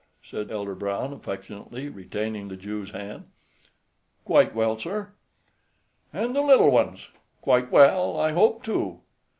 said Elder Brown, affectionately retaining the Jew's hand. "Quite well, sir." "And the little ones—quite well, I hope, too?"